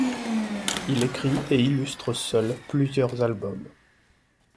Il écrit et illustre seul plusieurs albums.